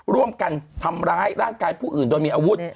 ร่วมกันทำร้ายร่างกายผู้อื่นโดยมีอาวุธ